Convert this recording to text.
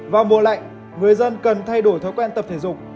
vào mùa lạnh người dân cần thay đổi thói quen tập thể dục